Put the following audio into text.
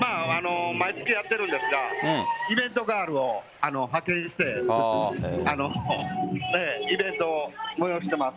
毎月やっているんですがイベントガールを派遣してイベントを催しています。